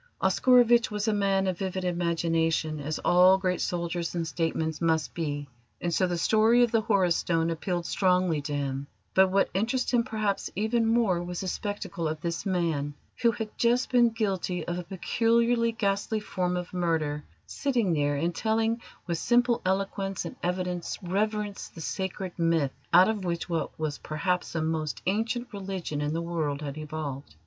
Oscarovitch was a man of vivid imagination, as all great soldiers and statesmen must be, and so the story of the Horus Stone appealed strongly to him; but what interested him perhaps even more was the spectacle of this man, who had just been guilty of a peculiarly ghastly form of murder, sitting there and telling with simple eloquence and evident reverence the sacred Myth out of which what was perhaps the most ancient religion in the world had evolved.